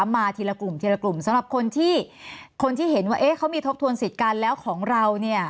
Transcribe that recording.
มาทีละกลุ่มสำหรับคนที่เห็นว่าเขามีทบทวนสิทธิ์กันแล้วของเรา